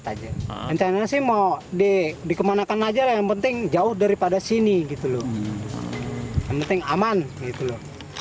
buaya ini cuma kita pasang jirat saja rencana sih mau dikemanakan saja yang penting jauh daripada sini gitu loh yang penting aman gitu loh